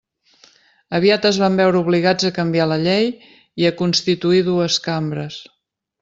Aviat es van veure obligats a canviar la llei i a constituir dues cambres.